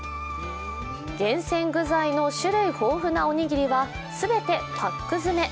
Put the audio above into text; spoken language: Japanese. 厳選具材の種類豊富なおにぎりは全てパック詰め。